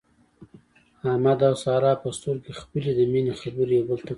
احمد او ساره په سترګو کې خپلې د مینې خبرې یو بل ته کوي.